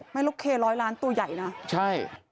ลูกเคร้อยล้านตัวใหญ่นะใช่